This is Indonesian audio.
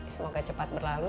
semoga cepat berlalu